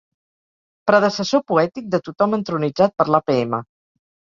Predecessor poètic de tothom entronitzat per l'APM.